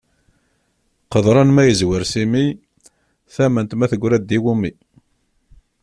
Qeḍran ma yezwer s imi, tament ma teggra-d i wumi.